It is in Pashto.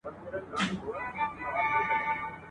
کوي او سوکاله وي ..